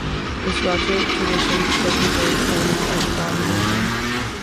The Srauta tradition still preserves elements of Brahminism.